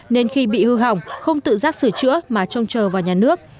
nên khi bị hư hỏng không tự giác sửa chữa mà trông chờ vào nhà nước